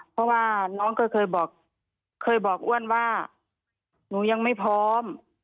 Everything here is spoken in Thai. เพราะว่าน้องก็เคยบอกเคยบอกอ้วนว่าหนูยังไม่พร้อม